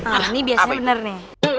nah ini biasanya benernya